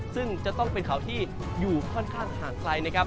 ซึ่งจะต้องเป็นเขาที่อยู่ค่อนข้างห่างไกลนะครับ